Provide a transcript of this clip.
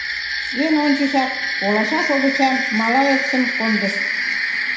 Эн ончычак олача шовычан малаецым кондышт.